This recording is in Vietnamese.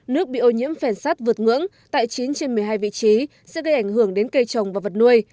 nước bị ô nhiễm phèn sát vượt ngưỡng tại chín trên một mươi hai vị trí sẽ gây ảnh hưởng đến cây trồng và vật nuôi